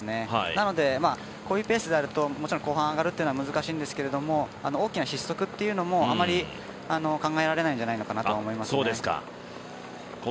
なので、こういうペースであると後半上がるということはないと思うんですけど大きな失速というのもあまり考えられないんじゃないかなと思います。